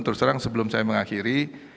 terserang sebelum saya mengakhiri